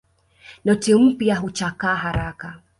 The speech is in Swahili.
Noti mpya huchakaa haraka